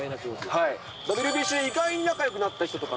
ＷＢＣで意外に仲よくなった人とか。